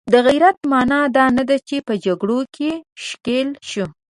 د غیرت معنا دا نه ده چې په جګړو کې ښکیل شو.